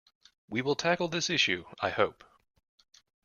We will tackle this issue, I hope.